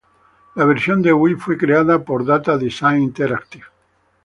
La versión de Wii fue creada por Data Design Interactive.